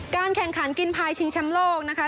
แข่งขันกินพายชิงแชมป์โลกนะคะ